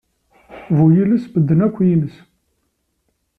Bu yiles, medden akk yines.